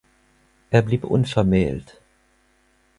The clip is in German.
Er blieb unvermählt.